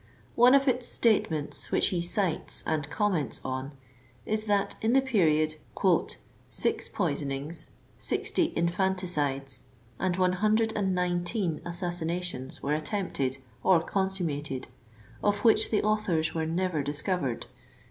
One of its state ments which he cites and comments on, is that in that period '<six poisonings, 60 infanticides, and 1 19 assassinations were attempted or consummated, of which the authors were never discovered."